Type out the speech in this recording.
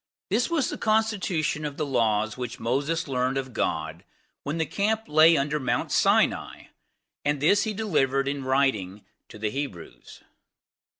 This was the constitution of the laws which Moses learned of God when the camp lay under Mount Sinai, and this he delivered in writing to the Hebrews.